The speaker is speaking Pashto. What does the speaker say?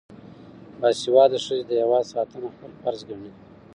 باسواده ښځې د هیواد ساتنه خپل فرض ګڼي.